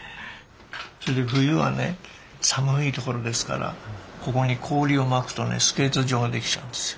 それで冬はね寒い所ですからここに氷をまくとねスケート場ができちゃうんですよ。